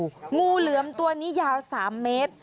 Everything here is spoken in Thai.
งูเหลือมตัวนี้ยาว๓เมตร